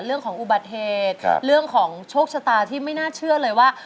เรื่องของอุบัติเหตุเรื่องของโชคชะตาที่ไม่น่าเชื่อเลยว่า